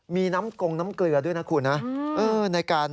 มีน้ำกงน้ำเกลือด้วยนะคุณนะ